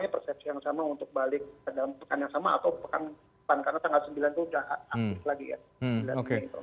karena tanggal sembilan itu udah abis lagi ya